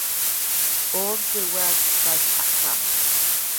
O'r diwedd daeth allan.